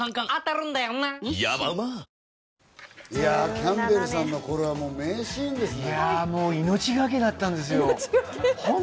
キャンベルさんのこれはもう、名シーンですね。